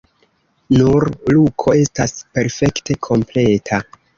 Nur Luko estas perfekte kompleta.